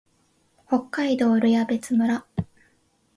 北海道留夜別村